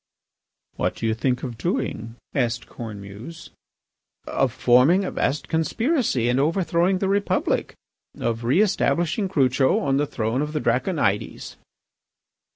"What do you think of doing?" asked Cornemuse. "Of forming a vast conspiracy and overthrowing the Republic, of re establishing Crucho on the throne of the Draconides."